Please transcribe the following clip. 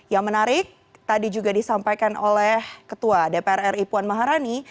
yang menarik tadi juga disampaikan oleh ketua dpr ri puan maharani